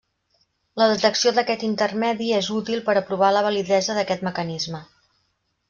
La detecció d'aquest intermedi és útil per a provar la validesa d'aquest mecanisme.